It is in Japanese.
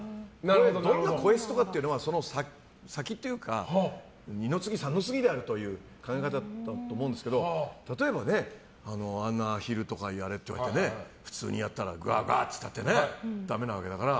どんな声質とかっていうのはその先というか二の次、三の次とか考え方だと思うんですけど例えばアヒルとかやれって言われて普通にガーガーってやってもダメなわけだから。